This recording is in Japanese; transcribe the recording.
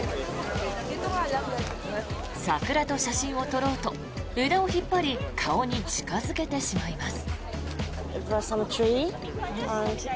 桜と写真を撮ろうと枝を引っ張り顔に近付けてしまいます。